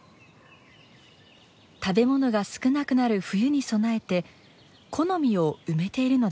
食べ物が少なくなる冬に備えて木の実を埋めているのです。